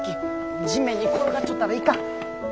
地面に転がっちょったらいかん！